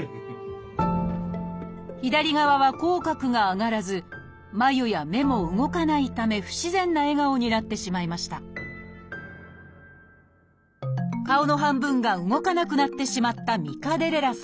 左側は口角が上がらず眉や目も動かないため不自然な笑顔になってしまいました顔の半分が動かなくなってしまったミカデレラさん。